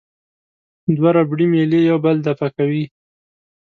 دوه ربړي میلې یو بل دفع کوي.